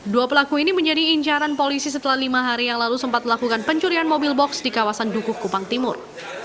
dua pelaku ini menjadi incaran polisi setelah lima hari yang lalu sempat melakukan pencurian mobil box di kawasan dukuh kupang timur